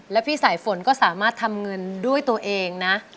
แล้วพี่สายฝนก็สามารถทำเงินด้วยตัวเองนะ